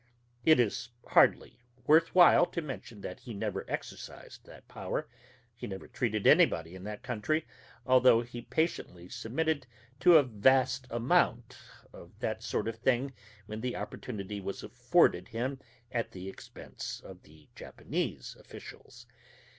It is hardly worth while to mention that he never exercised that power; he never treated anybody in that country, although he patiently submitted to a vast amount of that sort of thing when the opportunity was afforded him at the expense of the Japanese officials.